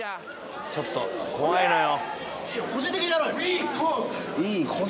ちょっと怖いのよ。